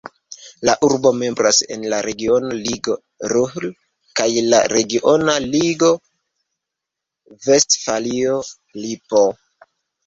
La urbo membras en la regiona ligo Ruhr kaj la regiona ligo Vestfalio-Lipo.